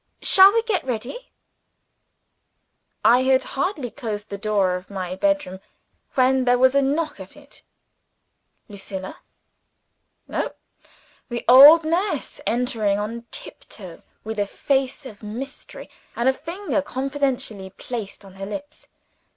Shall we get ready?" I had hardly closed the door of my bedroom when there was a knock at it. Lucilla? No; the old nurse entering on tiptoe, with a face of mystery, and a finger confidentially placed on her lips.